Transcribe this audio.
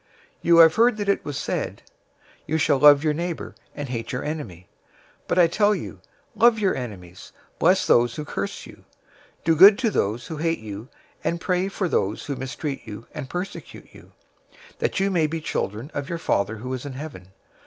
005:043 "You have heard that it was said, 'You shall love your neighbor, and hate your enemy.'{Leviticus 19:18} 005:044 But I tell you, love your enemies, bless those who curse you, do good to those who hate you, and pray for those who mistreat you and persecute you, 005:045 that you may be children of your Father who is in heaven.